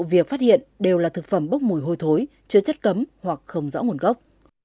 các vụ việc phát hiện đều là thực phẩm bốc mùi hồi thối chứa chất cấm hoặc không rõ nguồn gốc